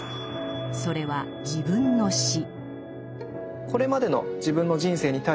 それは自分の「死」。